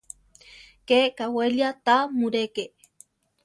We kawélia ta mu réke.